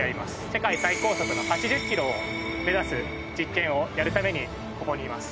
世界最高速の８０キロを目指す実験をやるためにここにいます。